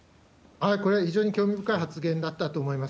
これは非常に興味深い発言だったと思います。